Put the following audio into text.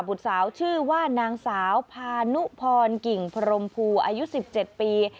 บุตรสาวชื่อว่านางสาวพานุพรกิ่งพรมภูอายุ๑๗ปี